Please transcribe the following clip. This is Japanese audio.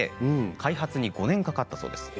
開発に５年かかったそうです。